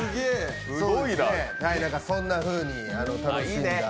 そんなふうに楽しんだ。